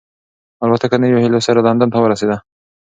الوتکه د نویو هیلو سره لندن ته ورسېده.